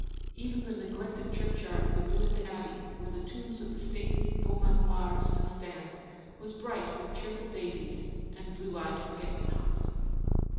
Even the neglected churchyard of the ruined abbey, where the tombs of the stately Beaumanoirs still stand, was bright with cheerful daisies and blue eyed forget me nots.